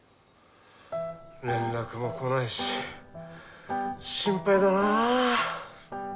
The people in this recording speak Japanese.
連絡も来ないし心配だなぁ。